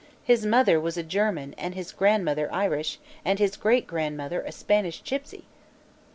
His mother was a German and his grandmother Irish and his greatgrandmother a Spanish gipsy."